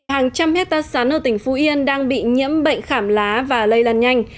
hàng trăm hectare sắn ở tỉnh phú yên đang bị nhiễm bệnh khảm lá và lây lan nhanh